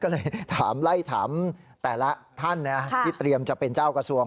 ก็เลยถามไล่ถามแต่ละท่านที่เตรียมจะเป็นเจ้ากระทรวง